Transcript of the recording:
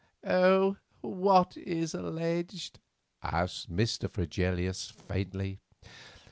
"What is alleged?" asked Mr. Fregelius faintly.